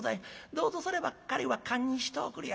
「どうぞそればっかりは堪忍しておくれやす」。